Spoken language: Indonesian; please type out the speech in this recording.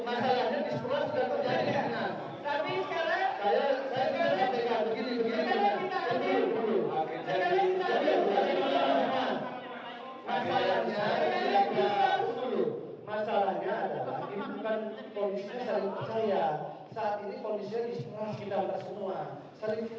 masalahnya adalah ini bukan kondisinya saya saat ini kondisinya disuruh kita semua